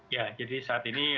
ya jadi saat ini